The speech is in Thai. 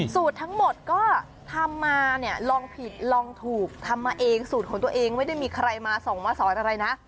สูตรทั้งหมดก็ทำมาเนี่ยลองผิดลองถูกทำมาเองสูตรของตัวเองไม่ได้มีใครมาส่งมาสอนอะไรนะ